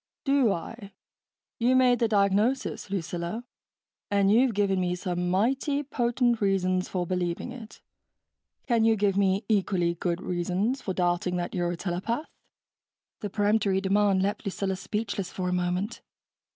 "Do I? You made the diagnosis, Lucilla, and you've given me some mighty potent reasons for believing it ... can you give me equally good reasons for doubting that you're a telepath?" The peremptory demand left Lucilla speechless for a moment.